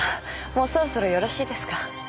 もうそろそろよろしいですか？